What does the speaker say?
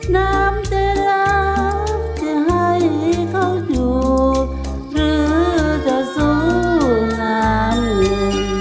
น้ำจะรักจะให้เขาอยู่หรือจะสู้งานเหลือ